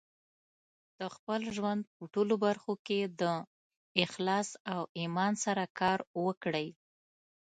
د خپل ژوند په ټولو برخو کې د اخلاص او ایمان سره کار وکړئ.